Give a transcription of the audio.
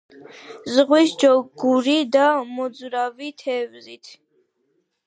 ზღვის ჯოგური და მოძრავი თევზია.